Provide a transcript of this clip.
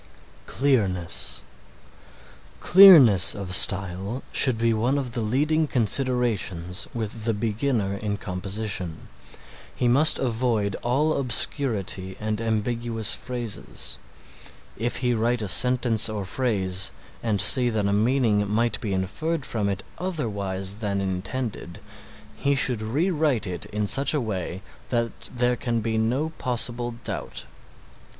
CLEARNESS Clearness of style should be one of the leading considerations with the beginner in composition. He must avoid all obscurity and ambiguous phrases. If he write a sentence or phrase and see that a meaning might be inferred from it otherwise than intended, he should re write it in such a way that there can be no possible doubt.